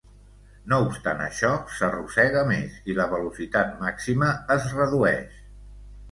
No obstant això, s'arrossega més i la velocitat màxima es redueix.